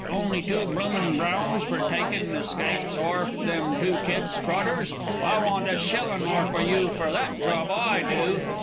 only two bloomin' browns fur tykin' the skites orf them two kids' trotters! I want a shellin' orf o' you fur that job, I do....